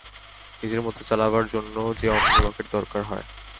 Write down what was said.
নিজের মত চালাবার জন্যও যে অন্য লোকের দরকার হয়।